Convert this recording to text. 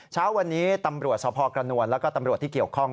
เช้าวันนี้ตำรวจสพกระนวลแล้วก็ตำรวจที่เกี่ยวข้อง